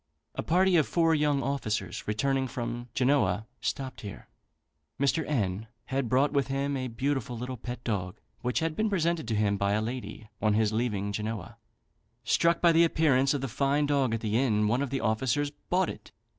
A party of four young officers, returning from Genoa, stopped here. Mr. N had brought with him a beautiful little pet dog, which had been presented to him by a lady on his leaving Genoa. Struck by the appearance of the fine dog at the inn, one of the officers bought it.